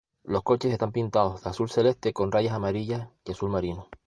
Los coches están pintados de azul celeste con rayas amarillas y azul marino.